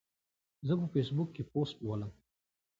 زه په فیسبوک کې پوسټ لولم.